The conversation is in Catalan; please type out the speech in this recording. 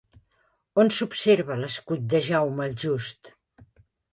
On s'observa l'escut de Jaume el Just?